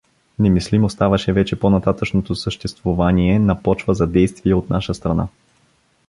Немислимо ставаше вече по-нататъшното съществувание на почва за действия от наша страна.